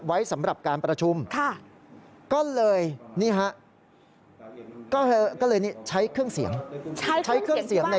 ไว้สำหรับการประชุมค่ะ